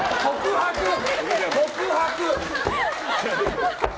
告白！